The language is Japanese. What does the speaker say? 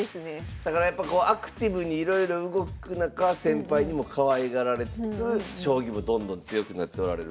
だからやっぱこうアクティブにいろいろ動く中先輩にもかわいがられつつ将棋もどんどん強くなっておられる。